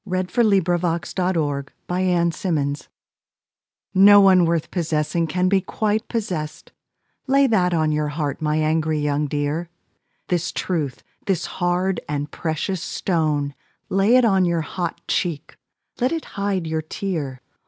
com Advice To A Girl By Sara Teasdale No one worth possessing Can be quite possessed; Lay that on your heart, My young angry dear; This truth, this hard and precious stone, Lay it on your hot cheek, Let it hide your tear.